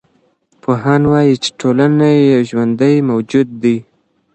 پوهان وايي چي ټولنه یو ژوندی موجود دی.